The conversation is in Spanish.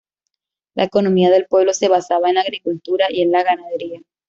La economía del pueblo se basaba en la agricultura y en la ganadería.